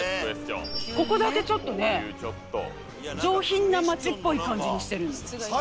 ここだけちょっとね上品な街っぽい感じにしてるの。